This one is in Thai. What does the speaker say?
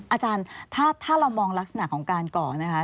อาจารย์ถ้าเรามองลักษณะของการเกาะนะคะ